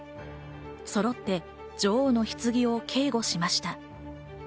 そろって女王の棺を警護しました。